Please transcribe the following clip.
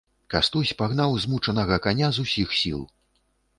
Кастусь пагнаў змучанага каня з усіх сіл.